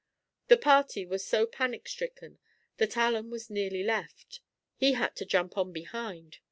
The party was so panic stricken that Allen was nearly left. He had to jump on behind.